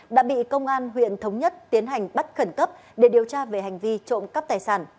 đã bị công an huyện thống nhất tiến hành bắt khẩn cấp để điều tra về hành vi trộm cắp tài sản